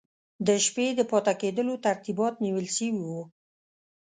د شپې د پاته کېدلو ترتیبات نیول سوي وو.